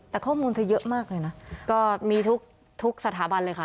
แต่ข้อมูลเธอเยอะมากเลยนะก็มีทุกสถาบันเลยค่ะ